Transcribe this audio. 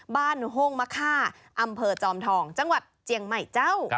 ห้งมะค่าอำเภอจอมทองจังหวัดเจียงใหม่เจ้า